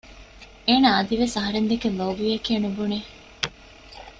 އޭނަ އަދިވެސް އަހަރެން ދެކެ ލޯބިވެޔެކޭ ނުބުނެ